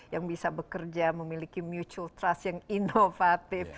yang bisa bekerja memiliki mutual trust yang inovatif